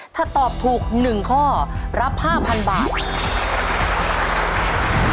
ถ้าตอบถูกหนึ่งข้อรับห้าพันบาท